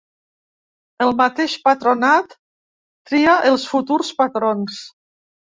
El mateix patronat tria els futurs patrons.